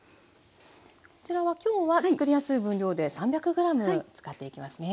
こちらは今日はつくりやすい分量で３００ｇ使っていきますね。